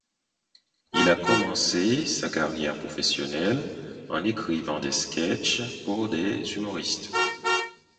Il a commencé sa carrière professionnelle en écrivant des sketches pour des humoristes.